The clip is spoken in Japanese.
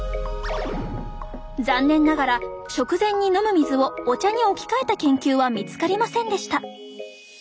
残念ながら食前に飲む水をお茶に置き換えた研究は見つかりませんでした。